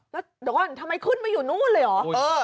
แล้วเดี๋ยวก่อนทำไมขึ้นมาอยู่นู่นเลยเหรอ